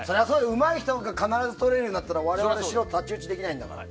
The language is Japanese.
うまい人が必ずとれるんだったら我々素人太刀打ちできないんだから。